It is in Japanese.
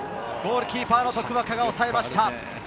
ゴールキーパーの徳若が抑えました。